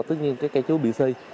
tuy nhiên cái cây chuối bị suy